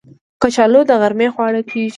کچالو د غرمې خواړه کېږي